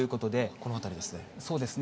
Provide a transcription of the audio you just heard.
この辺りですね。